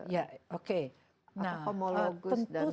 ya oke nah homologus dan